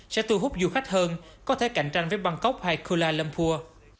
sẽ giúp du khách hơn có thể cạnh tranh với bangkok hay kuala lumpur